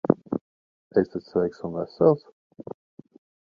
Esat sveiks un vesels?